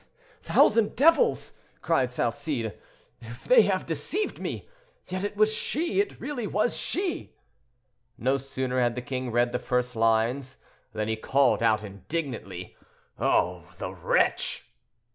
"Thousand devils!" cried Salcede, "if they have deceived me! Yet it was she—it was really she!" No sooner had the king read the first lines, than he called out indignantly, "Oh! the wretch!"